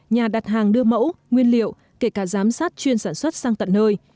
nhà đặt hàng đưa mẫu nguyên liệu kể cả giám sát chuyên sản xuất sang tận nơi